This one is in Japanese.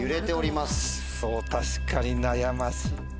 そう確かに悩ましい。